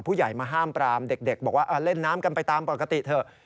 ผู้ใหญ่มาห้ามปรามเด็กบอกว่าเล่นน้ำกันไปตามปกติเถอะ